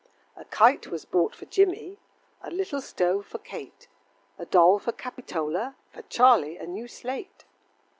A kite was bought for Jimmie, A little stove for Kate, A doll for Capitola, For Charlie a new slate.